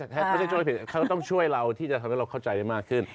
ถ้าไม่ใช่ช่วยผิดเขาก็ต้องช่วยเราที่จะทำให้เราเข้าใจได้มากขึ้น